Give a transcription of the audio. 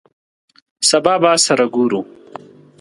سبا به سره ګورو !